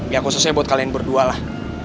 ya khususnya buat kalian berdua lah